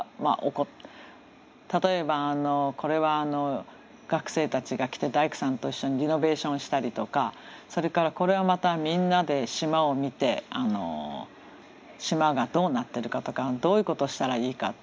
例えばこれは学生たちが来て大工さんと一緒にリノベーションしたりとかそれからこれはまたみんなで島を見て島がどうなってるかとかどういうことしたらいいかって。